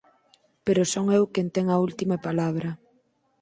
Pero son eu quen ten a última palabra.